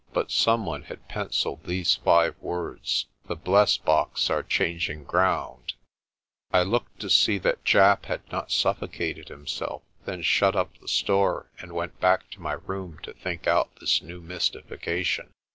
Below someone had pencilled these five words: "The Blesbok .* are changing ground" I looked to see that Japp had not suffocated himself, then shut up the store, and went back to my room to think out this new mystification.